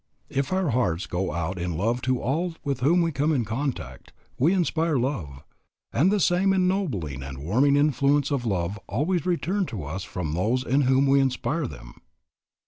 If our hearts go out in love to all with whom we come in contact, we inspire love, and the same ennobling and warming influences of love always return to us from those in whom we inspire them.